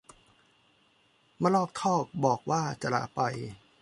มะลอกทอกบอกว่าจะลาไป